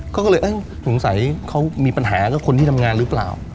ก็เลยสงสัยเขามีปัญหากับคนที่ทำงานหรือเปล่า